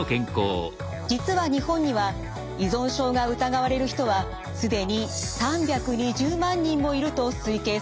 実は日本には依存症が疑われる人は既に３２０万人もいると推計されています。